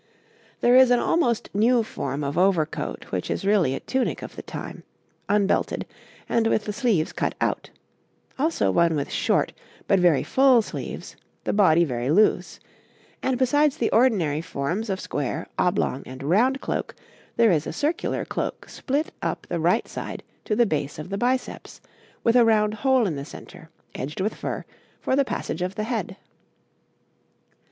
There is an almost new form of overcoat which is really a tunic of the time, unbelted, and with the sleeves cut out; also one with short, but very full, sleeves, the body very loose; and besides the ordinary forms of square, oblong, and round cloak, there is a circular cloak split up the right side to the base of the biceps, with a round hole in the centre, edged with fur, for the passage of the head.